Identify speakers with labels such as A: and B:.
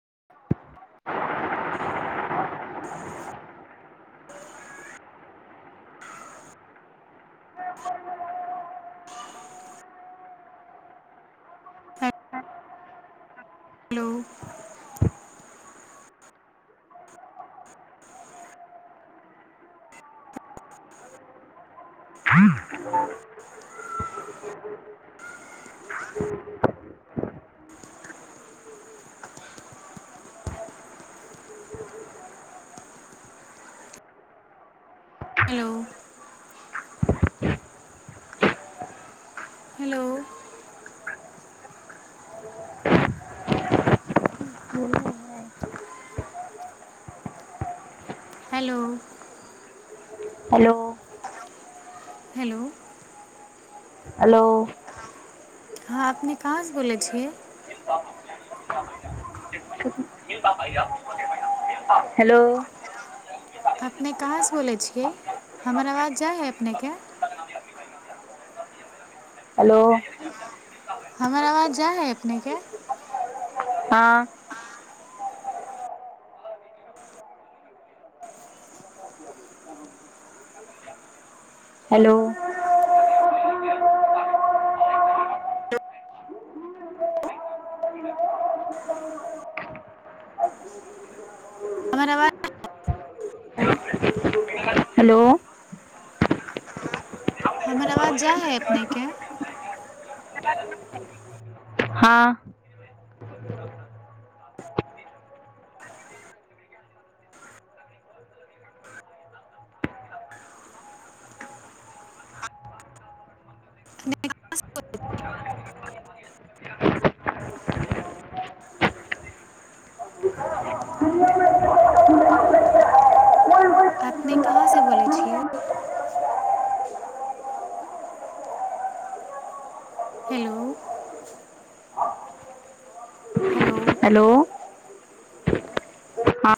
A: [unintelligible]
B: [inaudible] hello
A: [unintelligible]
B: hello hello
A: hello
B: hello
A: hello
B: hello
A: hello
B: हँ अपने कहाँ से बोलै छियै
A: [unintelligible] हेलो
B: अपने कहाँसँ बोलै छियै हमर आवाज जाइ हइ अपनेके
A: हेलो
B: हमर आवाज जा हइ अपनेके
A: हँ हेलो
B: हमर आवाज
A: हेलो
B: हमर आवाज जा है अपने के
A: हँ
B: अपने कहाँ से बोलै छियै हेलो हेलो
A: हँ